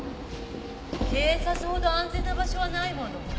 警察ほど安全な場所はないもの。